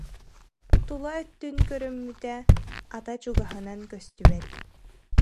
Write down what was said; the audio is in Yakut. Тула өттүн көрүммүтэ: ата чугаһынан көстүбэт